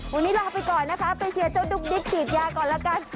วันนี้ลาไปก่อนนะคะไปเชียร์เจ้าดุ๊กดิ๊กฉีดยาก่อนละกัน